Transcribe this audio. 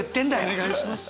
お願いします。